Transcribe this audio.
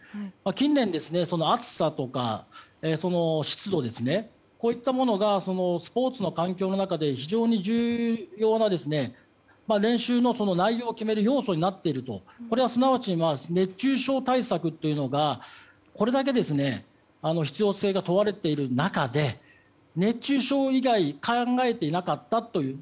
近年、暑さとか湿度こういったものがスポーツの環境の中で非常に重要な練習の内容を決める要素になっているとこれはすなわち熱中症対策というのがこれだけ必要性が問われている中で熱中症以外考えていなかったという。